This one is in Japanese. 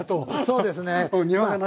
そうですね。